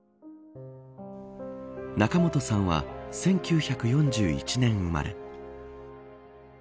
仲本さんは１９４１年生まれ。